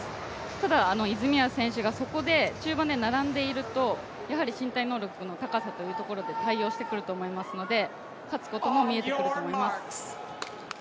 ただ、泉谷選手が中盤で並んでいると、身体能力の高さというところで対応してくると思いますので勝つことも見えてくると思います。